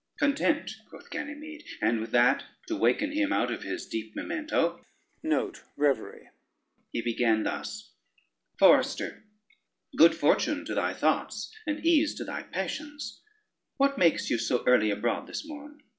"Content," quoth Ganymede, and with that, to waken him out of his deep memento, he began thus: [Footnote 1: revery.] "Forester, good fortune to thy thoughts, and ease to thy passions. What makes you so early abroad this morn?